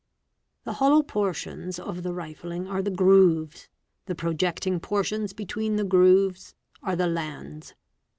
The hollow portions of the rifling are the 6é grooves," the projecting portions between the grooves are the "lands."